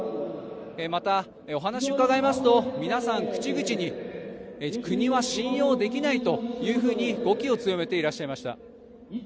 また、お話を伺いますと皆さん、口々に国は信用できないというふうに語気を強めていらっしゃいました。